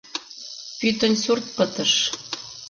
Пӱтынь сурт пытыш!